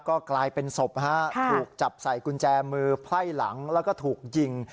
ก็กลายเป็นศพถูกจับใส่กุญแจมือไพ่หลังแล้วก็ถูกยิง